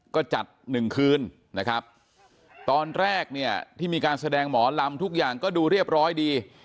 ก็จัดหนึ่งคืนนะครับตอนแรกเนี่ยที่มีการแสดงหมอลำทุกอย่างก็ดูเรียบร้อยดี